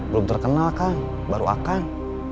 belum terkenal kan baru akan